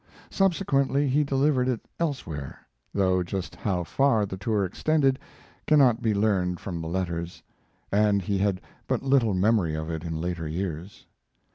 Subsequently he delivered it elsewhere; though just how far the tour extended cannot be learned from the letters, and he had but little memory of it in later years.